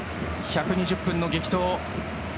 １２０分の激闘。